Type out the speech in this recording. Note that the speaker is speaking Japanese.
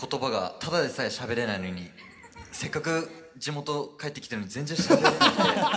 ただでさえしゃべれないのにせっかく地元帰ってきてるのに全然しゃべれないんで。